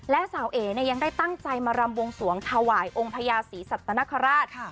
และสาวเอ๋ยังได้ตั้งใจมารำวงสวงถวายองค์พญาศรีสัตนคราช